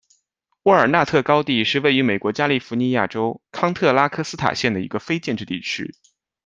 沃尔纳特高地是位于美国加利福尼亚州康特拉科斯塔县的一个非建制地区。